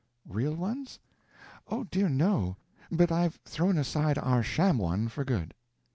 "Real ones? Oh, dear no—but I've thrown aside our sham one for good."